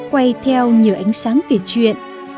quay theo nhờ ánh sáng kể chuyện